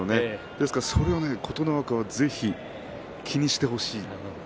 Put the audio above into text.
ですからそれを琴ノ若関気にしてほしい。